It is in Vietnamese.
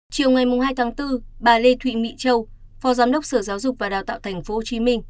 chiều ngày hai tháng bốn bà lê thụy mỹ châu phó giám đốc sở giáo dục và đào tạo tp hcm